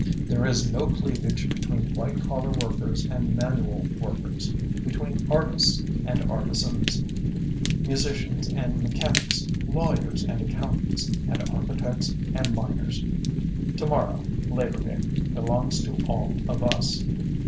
There is no cleavage between white collar workers and manual workers, between artists and artisans, musicians and mechanics, lawyers and accountants and architects and miners. Tomorrow, Labor Day, belongs to all of us.